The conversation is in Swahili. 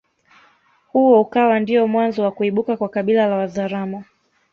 Huo ukawa ndiyo mwanzo wa kuibuka kwa kabila la wazaramo